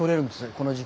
この時期。